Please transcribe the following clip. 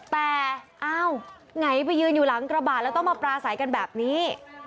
แต่อ้าวไหนไปยืนอยู่หลังกระบาดแล้วต้องมาปลาใสกันแบบนี้